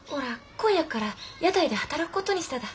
今夜から屋台で働く事にしただ。